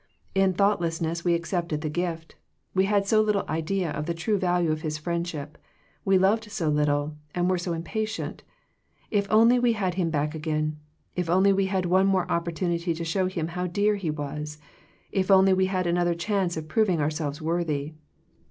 In thoughtlessness we accepted the gift; we had so little idea of the true value of his friendship; we loved so little, and were so impatient ;— if only we had him back again; if only we had one more opportunity to show him how dear he was; if only we had another chance of proving ourselves worthy.